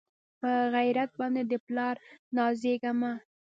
پۀ غېرت باندې د پلار نازېږه مۀ